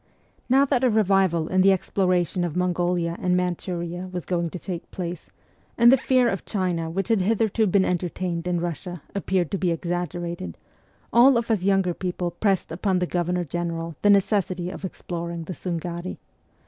Now that a revival in the exploration of Mongolia and Manchuria was going to take place, and the fear of China which had hitherto been entertained in Russia appeared to be exaggerated, all of us younger people pressed upon the Governor General the necessity of exploring the Sungari.